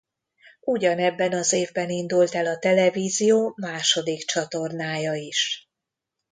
Ugyanebben az évben indult el a televízió második csatornája is.